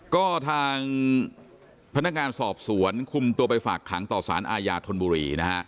ก็ทางพนักงานสอบสวนคุมตัวไปฝากขังต่อสารอาญาธนบุรีนะฮะ